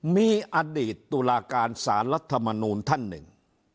มีอดีตตุลาการสารรัฐมนูลท่านหนึ่ง